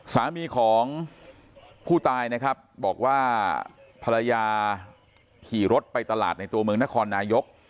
สามีของผู้ตายนะครับบอกว่าภรรยาขี่รถไปตลาดในตัวเมืองนครนายก